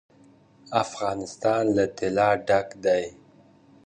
افغانستان له طلا ډک دی.